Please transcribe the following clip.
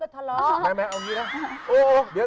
ทะเลาะชวมพี่กับผมต้องทำ